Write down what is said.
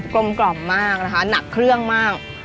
ลมกล่อมมากนะคะหนักเครื่องมาก